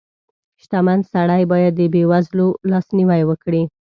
• شتمن سړی باید د بېوزلو لاسنیوی وکړي.